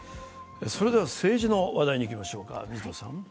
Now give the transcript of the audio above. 政治の話題にいきましょうか。